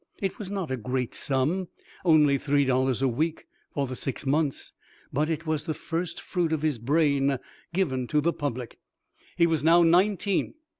It was not a great sum, only three dollars a week for the six months, but it was the first fruit of his brain given to the public. He was now nineteen.